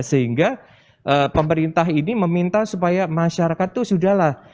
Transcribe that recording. sehingga pemerintah ini meminta supaya masyarakat itu sudahlah